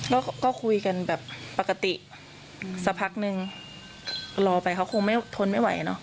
ก็คุยกันแบบปกติสักพักนึงรอไปเขาคงไม่ทนไม่ไหวเนอะ